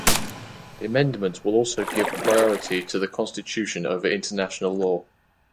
The amendments will also give priority to the Constitution over international law.